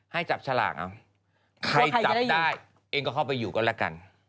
ให้จับฉลากเอาใครจับได้เองก็เข้าไปอยู่ก็แล้วกัน